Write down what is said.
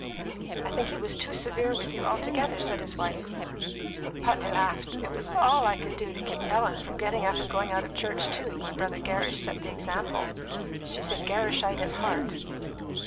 "I think he was too severe with you altogether," said his wife. Putney laughed. "It was all I could do to keep Ellen from getting up and going out of church too, when Brother Gerrish set the example. She's a Gerrishite at heart."